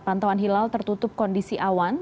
pantauan hilal tertutup kondisi awan